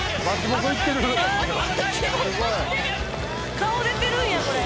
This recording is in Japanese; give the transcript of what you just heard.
顔出てるんやこれ。